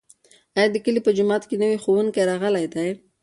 ایا د کلي په جومات کې نوی ښوونکی راغلی دی؟